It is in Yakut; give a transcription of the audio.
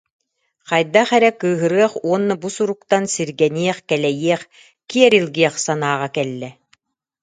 Хайдах эрэ кыыһырыах уонна бу суруктан сиргэниэх, кэлэйиэх, киэр илгиэх санааҕа кэллэ